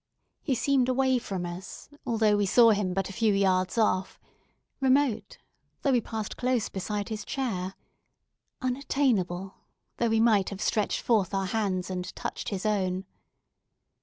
He seemed away from us, although we saw him but a few yards off; remote, though we passed close beside his chair; unattainable, though we might have stretched forth our hands and touched his own.